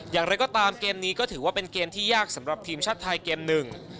อย่างไรก็ตามเกมนี้ก็ถือว่าเป็นเกมที่ยากสำหรับทีมชาติไทยเกมหนึ่ง